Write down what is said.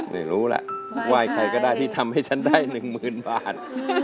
ไม่รู้ล่ะไหว้ใครก็ได้ที่ทำให้ฉันได้๑๐๐๐บาท